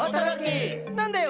何だよ！